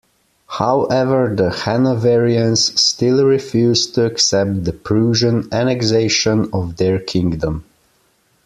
However, the Hanoverians still refused to accept the Prussian annexation of their kingdom.